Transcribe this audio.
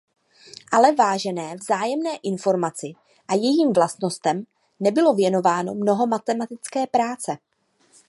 Ale vážené vzájemné informaci a jejím vlastnostem nebylo věnováno mnoho matematické práce.